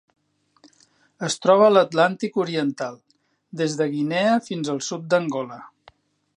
Es troba a l'Atlàntic oriental: des de Guinea fins al sud d'Angola.